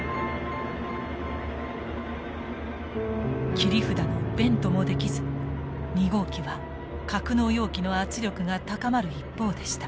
切り札のベントもできず２号機は格納容器の圧力が高まる一方でした。